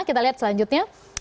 kita lihat selanjutnya